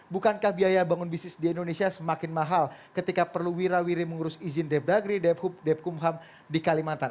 bukankah biaya bangun bisnis di indonesia semakin mahal ketika perlu wira wiri mengurus izin dev dagri dev hub dev kumham di kalimantan